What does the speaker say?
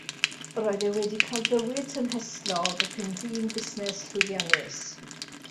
Roedd e wedi cael bywyd tymhestlog ac yn ddyn busnes llwyddiannus.